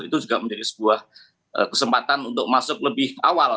itu juga menjadi sebuah kesempatan untuk masuk lebih awal